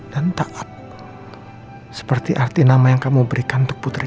dan tak up seperti arti nama yang kamu berikan di putri